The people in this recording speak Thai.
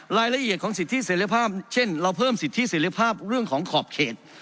รายละเอียดของสิทธิเสร็จภาพเช่นเราเพิ่มสิทธิเสร็จภาพเรื่องของขอบเขต